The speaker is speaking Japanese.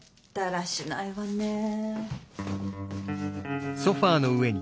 だらしないわね。